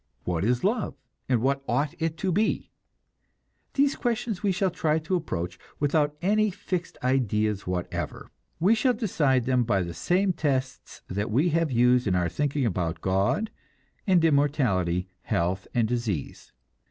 What is love, and what ought it to be? These questions we shall try to approach without any fixed ideas whatever. We shall decide them by the same tests that we have used in our thinking about God and immortality, health and disease.